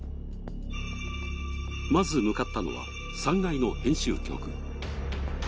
まず向かったのは３階の編集局。